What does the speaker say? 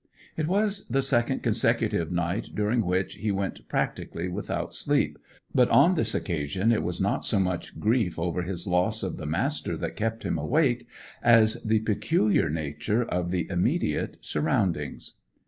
It was the second consecutive night during which he went practically without sleep; but on this occasion it was not so much grief over his loss of the Master that kept him awake as the peculiar nature of the immediate surroundings.